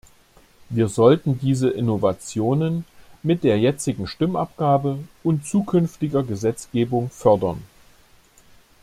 Wir sollten diese Innovationen mit der jetzigen Stimmabgabe und zukünftiger Gesetzgebung fördern.